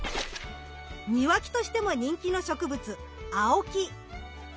庭木としても人気の植物アオキ。